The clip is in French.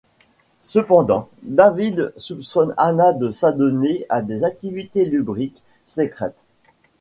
Cependant David soupçonne Anna de s'adonner à des activités lubriques secrètes.